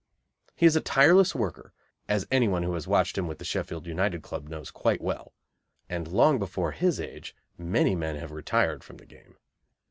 He is a tireless worker, as anyone who has watched him with the Sheffield United club knows quite well, and long before his age many men have retired from the game.